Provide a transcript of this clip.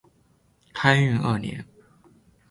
开运二年。